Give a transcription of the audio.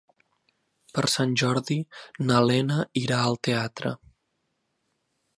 Per Sant Jordi na Lena irà al teatre.